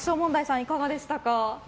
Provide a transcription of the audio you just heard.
いかがでしたか？